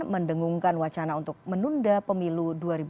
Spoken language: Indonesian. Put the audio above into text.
mendengungkan wacana untuk menunda pemilu dua ribu dua puluh